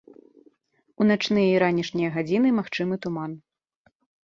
У начныя і ранішнія гадзіны магчымы туман.